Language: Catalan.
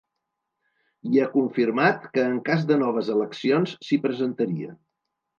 I ha confirmat que en cas de noves eleccions s’hi presentaria.